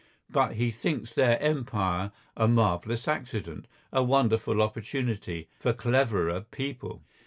But he thinks their Empire a marvellous accident, a wonderful opportunity—for cleverer people.